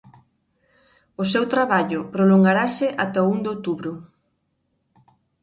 O seu traballo prolongarase ata o un de outubro.